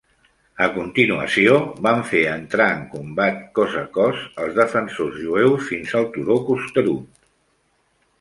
A continuació, van fer entrar en combat cos a cos els defensors jueus fins al turó costerut.